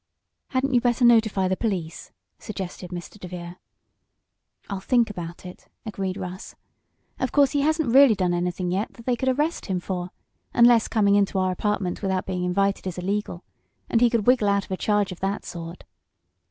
"Hadn't you better notify the police?" suggested Mr. DeVere. "I'll think about it," agreed Russ. "Of course he hasn't really done anything yet that they could arrest him for, unless coming into our apartment without being invited is illegal, and he could wriggle out of a charge of that sort.